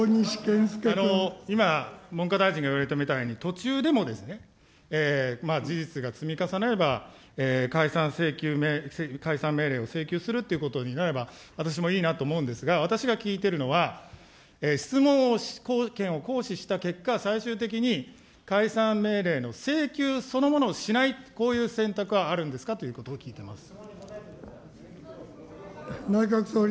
今、文科大臣が言われたみたいに、途中でも、事実が積み重なれば、解散請求、解散命令を請求するということになれば、私もいいなと思うんですが、私が聞いているのは、質問権を行使した結果、最終的に、解散命令の請求そのものをしない、こういう選択はあるんですかということを聞いてます。